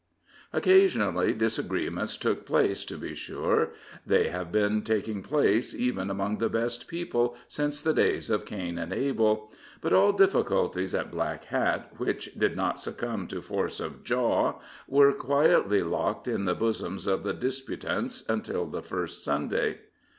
Occasional disagreements took place, to be sure they have been taking place, even among the best people, since the days of Cain and Abel; but all difficulties at Black Hat which did not succumb to force of jaw were quietly locked in the bosoms of the disputants until the first Sunday.